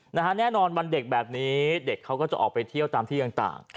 แน่นอนวันเด็กแบบนี้เด็กเขาก็จะออกไปเที่ยวตามที่ต่าง